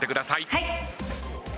はい！